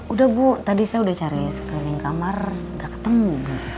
udah bu tadi saya udah cari sekeliling kamar udah ketemu